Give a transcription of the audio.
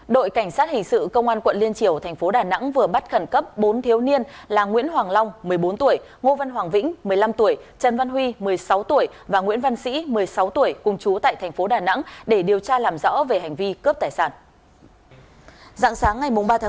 đội cảnh sát hình sự công an quận liên triều thành phố đà nẵng vừa bắt khẩn cấp bốn thiếu niên là nguyễn hoàng long một mươi bốn tuổi ngô văn hoàng vĩnh một mươi năm tuổi trần văn huy một mươi sáu tuổi và nguyễn văn sĩ một mươi sáu tuổi cùng chú tại thành phố đà nẵng để điều tra làm rõ về hành vi cướp tài sản